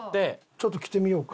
ちょっと着てみようか。